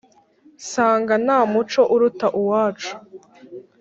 nsanga nta muco uruta uwacu